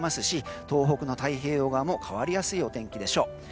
し東北の太平洋側も変わりやすいお天気でしょう。